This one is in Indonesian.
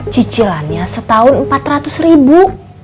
cicilannya setahun empat ratus ribu